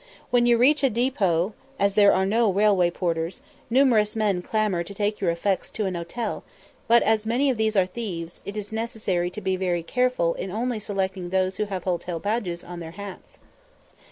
When you reach a depôt, as there are no railway porters, numerous men clamour to take your effects to an hotel, but, as many of these are thieves, it is necessary to be very careful in only selecting those who have hotel badges on their hats.